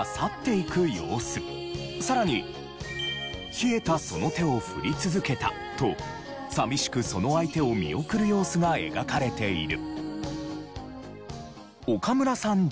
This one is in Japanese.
「冷えたその手を振り続けた」と寂しくその相手を見送る様子が描かれている。